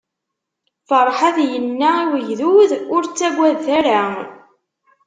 Ferḥat yenna i ugdud: Ur ttagadet ara!